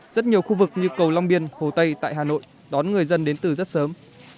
rất nhiều khu vực như cầu long biên hồ tây tại hà nội đón người dân đến từ rất sớm